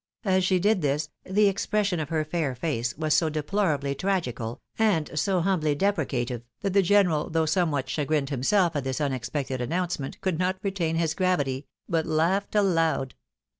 As she did this, the expression of her fair face was so deplorably tragical, and so humbly deprecative, that the general, though somewhat chagrined himself at this unexpected announcement, could not retain his gravity, but laughed aloud.